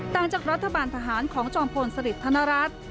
ต่างจากรัฐบาลทหารของจอมพลสริทธนรัฐ